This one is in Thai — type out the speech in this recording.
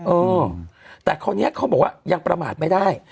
เออแต่คราวนี้เขาบอกว่ายังประมาทไม่ได้